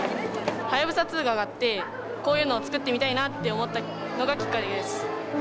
はやぶさ２が上がってこういうのを作ってみたいなって思ったのがきっかけです。